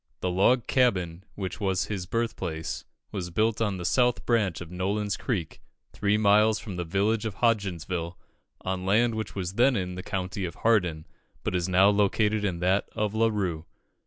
The log cabin which was his birth place was built on the south branch of Nolin's Creek, three miles from the village of Hodgensville, on land which was then in the county of Hardin, but is now included in that of La Rue.